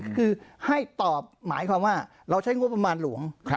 คือให้ตอบหมายความว่าเราใช้งบประมาณหลวง